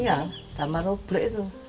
ya sama rubrik